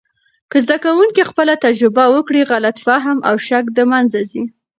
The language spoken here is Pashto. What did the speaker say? که زده کوونکي خپله تجربه وکړي، غلط فهم او شک د منځه ځي.